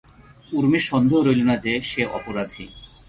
ঊর্মির সন্দেহ রইল না যে সে অপরাধী।